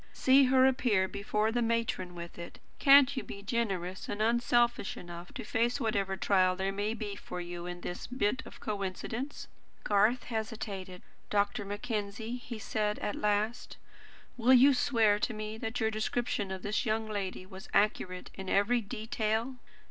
See her appear before the matron with it! Can't you be generous and unselfish enough to face whatever trial there may be for you in this bit of a coincidence?" Garth hesitated. "Dr. Mackenzie," he said at last, "will you swear to me that your description of this young lady was accurate in every detail?"